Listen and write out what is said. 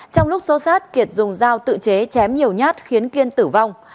trong lúc xấu xát kiệt dùng dao tự chế chém nhiều nhát khiến kiên tử vong